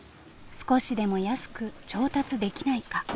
少しでも安く調達できないか。